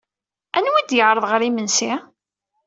Anwa ay d-yeɛreḍ ɣer yimensi?